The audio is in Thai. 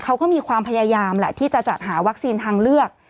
เขาก็มีความพยายามแหละที่จะจัดหาวัคซีนทางเลือก